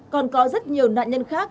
còn có rất nhiều nạn nhân khác